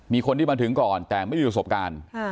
มีคนที่มาถึงก่อนแต่ไม่มีประสบการณ์